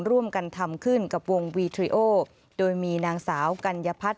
ร่วมกันทำขึ้นกับวงวีทริโอโดยมีนางสาวกัญญพัฒน์